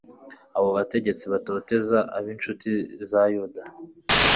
abo bategetsi batoteza ab'incuti za yuda